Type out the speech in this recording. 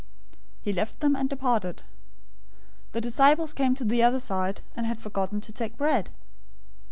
He left them, and departed. 016:005 The disciples came to the other side and had forgotten to take bread.